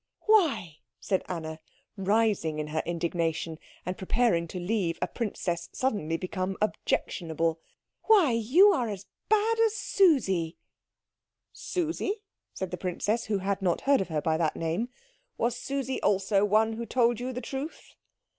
"Why," said Anna, rising in her indignation, and preparing to leave a princess suddenly become objectionable, "why, you are as bad as Susie!" "Susie?" said the princess, who had not heard of her by that name. "Was Susie also one who told you the truth?"